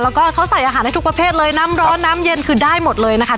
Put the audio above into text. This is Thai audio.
แล้วก็เขาใส่อาหารให้ทุกประเภทเลยน้ำร้อนน้ำเย็นคือได้หมดเลยนะคะ